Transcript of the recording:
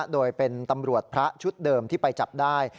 โดยเป็นตำรวจพระชุดเดิมที่ไปจับได้